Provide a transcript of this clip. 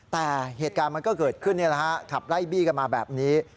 แต่เหตุการณ์มันก็เกิดขึ้นขับไล่บี้กันมาแบบนี้